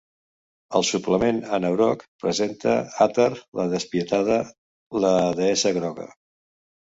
El suplement "Anauroch" presenta At'ar la Despietada, la "deessa groga".